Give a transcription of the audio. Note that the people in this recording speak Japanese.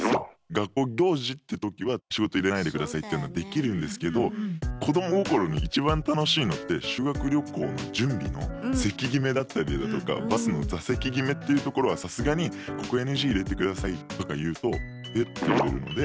学校行事ってときは「仕事入れないでください」っていうのはできるんですけど子ども心に一番楽しいのって修学旅行の準備の席決めだったりだとかバスの座席決めっていうところはさすがに「ここＮＧ入れてください」とか言うと「え？」って言われるので。